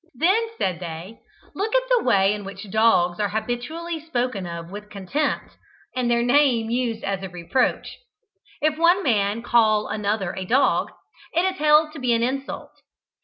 Then, said they, look at the way in which dogs are habitually spoken of with contempt, and their name used as a reproach. If one man call another a "dog," it is held to be an insult.